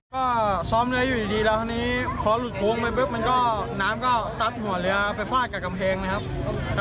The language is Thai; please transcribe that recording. ก็ซ้อมเรืออยู่ดีแล้วคราวนี้พอหลุดโค้งไปปุ๊บมันก็น้ำก็ซัดหัวเรือไปฟาดกับกำแพงนะครับ